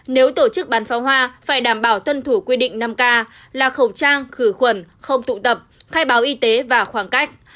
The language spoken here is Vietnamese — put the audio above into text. nếu tổ chức bán pháo hoa phải đảm bảo tuân thủ quy định năm k là khẩu trang khử khuẩn không tụ tập khai báo y tế và khoảng cách